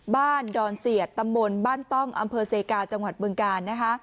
บ้านดอนเสียดตำมนต์บ้านต้องอำเภอเซกาจังหวัดเมืองกาล